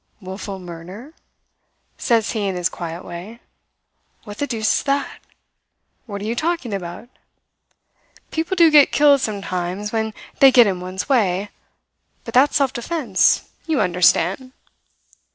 "'Wilful murder?' says he in his quiet way. 'What the deuce is that? What are you talking about? People do get killed sometimes when they get in one's way, but that's self defence you understand?'